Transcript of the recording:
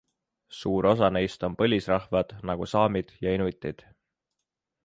Suur osa neist on põlisrahvad nagu saamid ja inuitid.